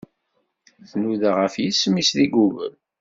Tnuda ɣef yisem-is deg Google.